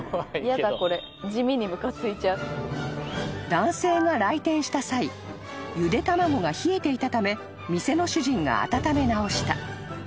［男性が来店した際ゆで卵が冷えていたため店の主人が温め直した］